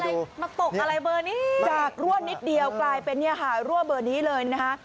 มาตกอะไรเบอร์นี้จากรั่วนิดเดียวกลายเป็นเนี่ยค่ะรั่วเบอร์นี้เลยนะคะ